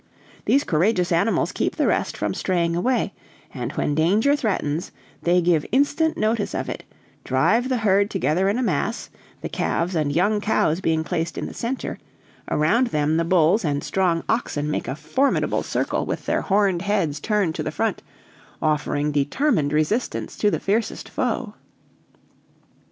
"These courageous animals keep the rest from straying away, and when danger threatens, they give instant notice of it, drive the herd together in a mass, the calves and young cows being placed in the center; around them the bulls and strong oxen make a formidable circle with their horned heads turned to the front, offering determined resistance to the fiercest foe.